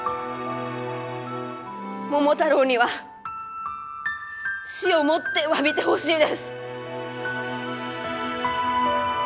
桃太郎には死をもってわびてほしいです。